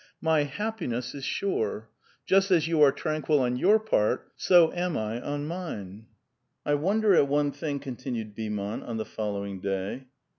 My happiness is sure. Just as you are tranquil on your part, so am 1 on mine.'" " I wonder at one thing," continued Beaumont on the fol lowing day.